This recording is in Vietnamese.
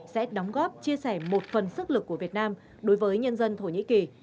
sẽ đóng góp chia sẻ một phần sức lực của việt nam đối với nhân dân thổ nhĩ kỳ